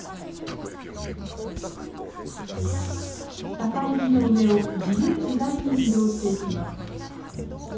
高い木の上を自由自在に移動していきます。